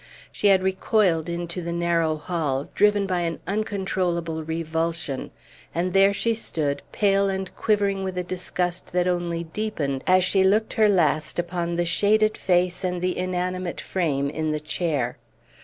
She had recoiled into the narrow hall, driven by an uncontrollable revulsion; and there she stood, pale and quivering with a disgust that only deepened as she looked her last upon the shaded face and the inanimate frame in the chair.